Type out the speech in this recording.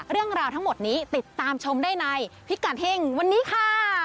เรื่องราวทั้งหมดนี้ติดตามชมได้ในพิกัดเฮ่งวันนี้ค่ะ